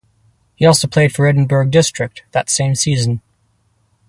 He also played for Edinburgh District that same season.